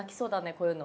こういうの。